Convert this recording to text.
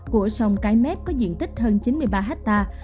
của sông cái mép có diện tích hơn chín mươi ba hectare